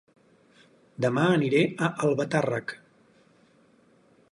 Dema aniré a Albatàrrec